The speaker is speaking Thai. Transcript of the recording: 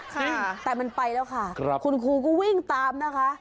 ค่ะแต่มันไปแล้วค่ะครับคุณครูก็วิ่งตามนะคะ